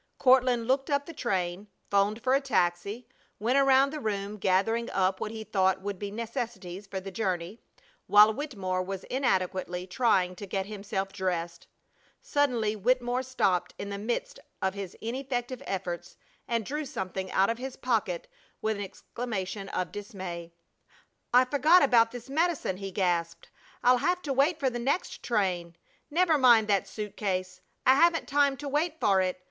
Courtland looked up the train, 'phoned for a taxi, went around the room gathering up what he thought would be necessities for the journey, while Wittemore was inadequately trying to get himself dressed. Suddenly Wittemore stopped short in the midst of his ineffective efforts and drew something out of his pocket with an exclamation of dismay. "I forgot about this medicine!" he gasped. "I'll have to wait for the next train! Never mind that suit case. I haven't time to wait for it!